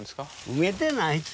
埋めてないって。